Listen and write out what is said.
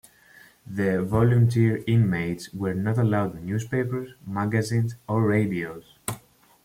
The "volunteer inmates" were not allowed newspapers, magazines or radios.